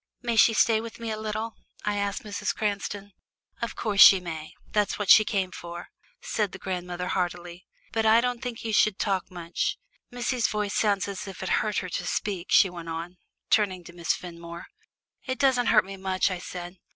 "May she stay with me a little?" I asked Mrs. Cranston. "Of course she may that's what she came for," said the grandmother heartily. "But I don't think you should talk much. Missie's voice sounds as if it hurt her to speak," she went on, turning to Miss Fenmore. "It doesn't hurt me much," I said.